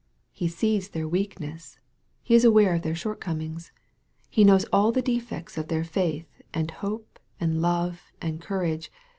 He sees their weakness. He is aware of their short comings. He knows all the defects of their faith, and hope, and love, and courage.